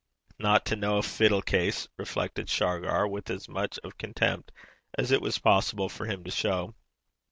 'No to ken a fiddle case!' reflected Shargar, with as much of contempt as it was possible for him to show.